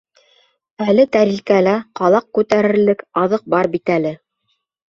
— Әле тәрилкәлә ҡалаҡ күтәрерлек аҙыҡ бар бит әле.